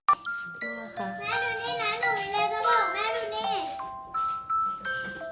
มีงเป็นอะไรให้ลุงอะ